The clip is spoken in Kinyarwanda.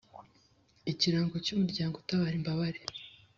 ikirango cy umuryango utabara imbabare